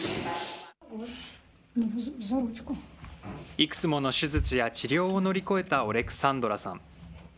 いくつもの手術や治療を乗り越えたオレクサンドラさん。